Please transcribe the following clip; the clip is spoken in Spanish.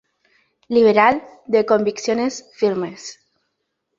Liberal de convicciones firmes.